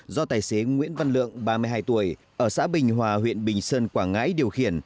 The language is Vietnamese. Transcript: do tài xế nguyễn văn lượng ba mươi hai tuổi ở xã bình hòa huyện bình sơn quảng ngãi điều khiển